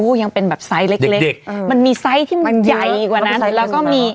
ยังเป็นแบบไซส์เล็กเล็กมันมีไซส์ที่มันใหญ่กว่านั้นแล้วก็มี